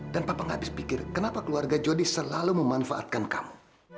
dan papa tidak bisa memikirkan kenapa keluarga jodi selalu memanfaatkan kamu